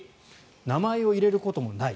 名前を入れることもない。